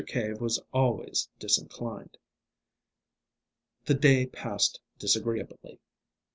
Cave was always disinclined. The day passed disagreeably.